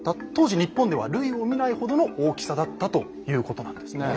当時日本では類を見ないほどの大きさだったということなんですね。